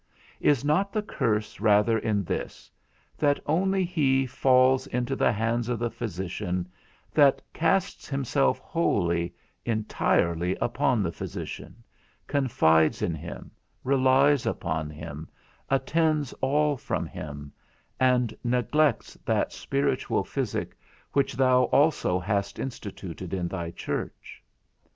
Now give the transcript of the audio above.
Is not the curse rather in this, that only he falls into the hands of the physician, that casts himself wholly, entirely upon the physician, confides in him, relies upon him, attends all from him, and neglects that spiritual physic which thou also hast instituted in thy church.